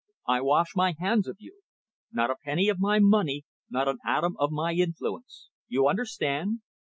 I wash my hands of you. Not a penny of my money, not an atom of my influence. You understand."